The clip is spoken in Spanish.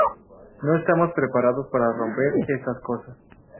No estamos preparados para romper estas cosas.